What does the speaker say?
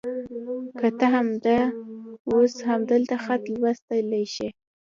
که ته همدا اوس همدغه خط لوستلی شې.